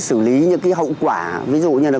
xử lý những cái hậu quả ví dụ như là